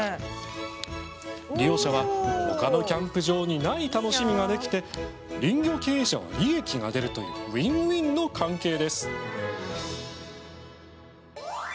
利用者はほかのキャンプ場にない楽しみができて林業経営者は利益が出るというウィンウィンの関係です。